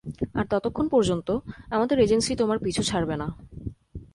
আর ততক্ষণ পর্যন্ত, আমাদের এজেন্সি তোমার পিছু ছাড়বে না।